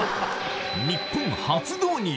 日本初導入